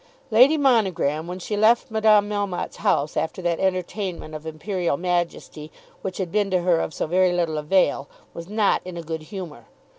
Lady Monogram, when she left Madame Melmotte's house after that entertainment of Imperial Majesty which had been to her of so very little avail, was not in a good humour.